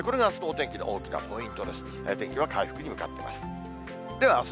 天気は回復に向かっています。